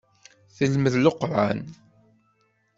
Telmed Leqran.